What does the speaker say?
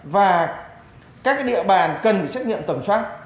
và các địa bàn cần phải xét nghiệm tầm soát